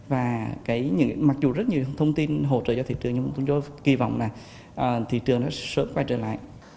và mặc dù rất nhiều thông tin hỗ trợ cho thị trường nhưng cũng kỳ vọng là thị trường nó sẽ sớm quay trở lại